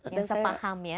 yang sepaham ya